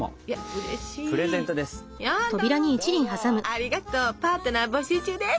ありがとうパートナー募集中です！